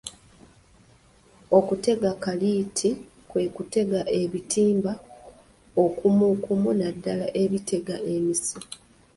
Okutega kaliiti kwe kutega ebitimba okumukumu naddala ebitega emisu